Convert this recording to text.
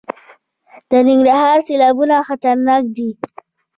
د ننګرهار سیلابونه خطرناک دي